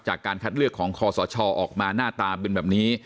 จากการคัดเลือกของคอสชออกมาหน้าตาเป็นแบบนี้